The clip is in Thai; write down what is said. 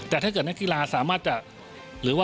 และถ้าเกิดนักกีฬาสามารถจะ